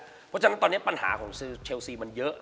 เพราะฉะนั้นตอนนี้ปัญหาของซื้อเชลซีมันเยอะ